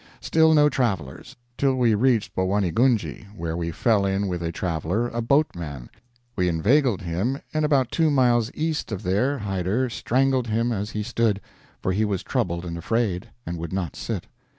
Still no travelers! till we reached Bowaneegunge, where we fell in with a traveler, a boatman; we inveigled him and about two miles east of there Hyder strangled him as he stood for he was troubled and afraid, and would not sit.